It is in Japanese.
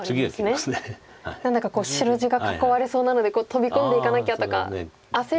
何だか白地が囲われそうなので飛び込んでいかなきゃとか焦ると。